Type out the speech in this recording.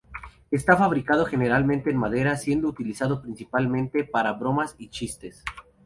Está fabricado generalmente en madera, siendo utilizado principalmente para bromas y chistes.